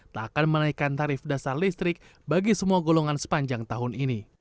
tak akan menaikkan tarif dasar listrik bagi semua golongan sepanjang tahun ini